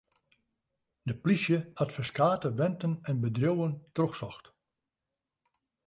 De polysje hat ferskate wenten en bedriuwen trochsocht.